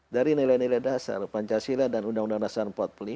dari nilai nilai dasar pancasila dan undang undang dasar empat puluh lima